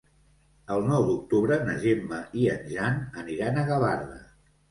El nou d'octubre na Gemma i en Jan aniran a Gavarda.